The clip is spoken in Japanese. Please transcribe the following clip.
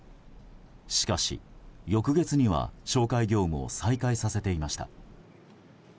しかし、翌月には紹介業務を再開させていました。